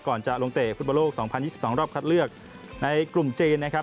จะลงเตะฟุตบอลโลก๒๐๒๒รอบคัดเลือกในกลุ่มจีนนะครับ